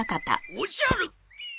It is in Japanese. おじゃる！